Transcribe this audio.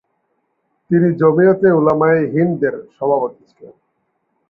তিনি জমিয়তে উলামায়ে হিন্দের সভাপতি ছিলেন।